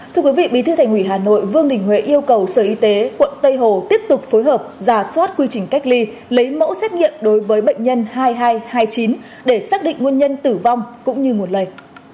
thưa quý vị bí thư thành ủy hà nội vương đình huệ yêu cầu sở y tế quận tây hồ tiếp tục phối hợp giả soát quy trình cách ly lấy mẫu xét nghiệm đối với bệnh nhân hai nghìn hai trăm hai mươi chín để xác định nguyên nhân tử vong cũng như nguồn lây